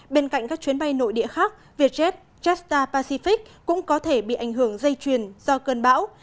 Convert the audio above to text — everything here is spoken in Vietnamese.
bên cạnh các chuyến bay nội địa khác vietjet jetstar pacific cũng có thể bị ảnh hưởng dây truyền do cơn bão